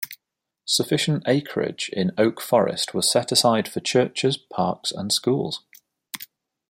Sufficient acreage in Oak Forest was set aside for churches, parks and schools.